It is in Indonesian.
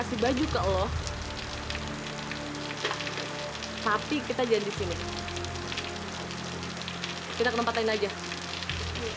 saya butuh pakaian yang lebih tampas